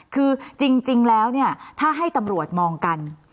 ขึาจริงแล้วถ้าให้ตำรวจมองกัน